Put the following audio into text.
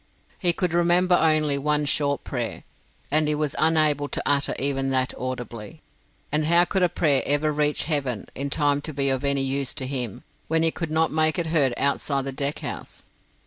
He could remember only one short prayer, and he was unable to utter even that audibly. And how could a prayer ever reach heaven in time to be of any use to him, when he could not make it heard outside the deck house?